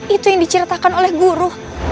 itu yang diceritakan oleh guru